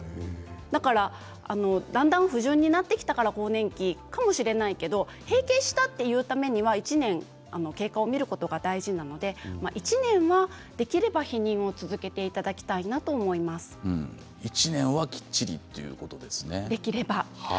だからだんだん不順になってきたから更年期かもしれないけど閉経したというためには１年経過を見ることが大事なので１年はできれば避妊を続けていただきたいなと１年はきっちりということできれば。